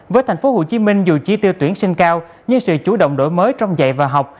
với tp hcm dù chi tiêu tuyển sinh cao nhưng sự chủ động đổi mới trong dạy và học